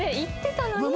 行ってたの現に。